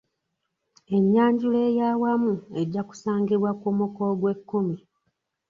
Ennyanjula ey'awamu ejja kusangibwa ku muko ogwekkumi.